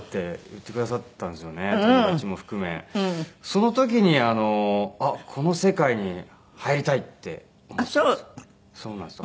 その時にあっこの世界に入りたいって思ったんですよ。